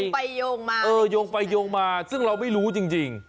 ไปโยงมาเออโยงไปโยงมาซึ่งเราไม่รู้จริง